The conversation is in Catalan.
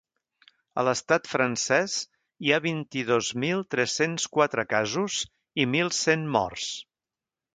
A l’estat francès hi ha vint-i-dos mil tres-cents quatre casos i mil cent morts.